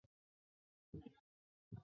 原订五十分的车